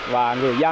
và người dân